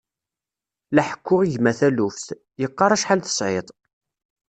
La ḥekkuɣ i gma taluft, yeqqar acḥal tesɛiḍ.